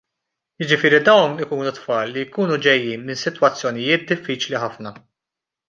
Jiġifieri dawn ikunu tfal li jkunu ġejjin minn sitwazzjonijiet diffiċli ħafna.